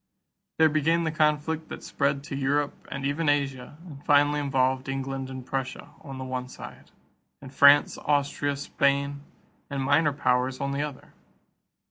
There began the conflict that spread to Europe and even Asia and finally involved England and Prussia, on the one side, and France, Austria, Spain, and minor powers on the other.